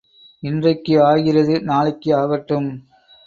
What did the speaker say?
இன்றைக்கு ஆகிறது நாளைக்கு ஆகட்டும்.